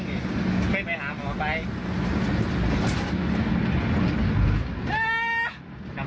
คือสิ่งที่เราติดตามคือสิ่งที่เราติดตาม